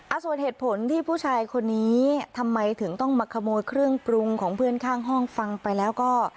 ส่วนเหตุผลที่ผู้ชายคนนี้ทำไมถึงต้องมาขโมยเครื่องปรุงของเพื่อนข้างห้องฟังไปแล้วก็